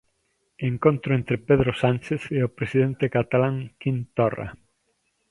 Encontro entre Pedro Sánchez e o presidente catalán, Quim Torra.